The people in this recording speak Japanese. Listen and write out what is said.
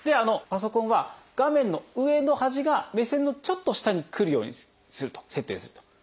パソコンは画面の上の端が目線のちょっと下にくるようにする設定すると。